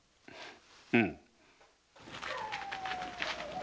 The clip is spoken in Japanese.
うん。